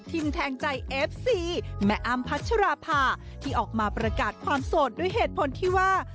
ทิมแทงใจเอฟซีแม่อำพัชราภา